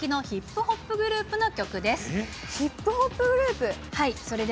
ヒップホップグループ？